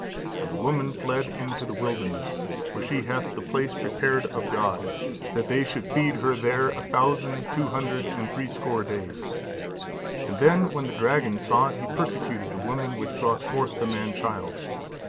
And the woman fled into the wilderness, where she hath the place prepared of God, that they should feed her there a thousand two hundred and threescore days. And then when the dragon saw it, he persecuted the woman which brought forth the man child.